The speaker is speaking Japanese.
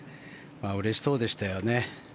うれしそうでしたよね。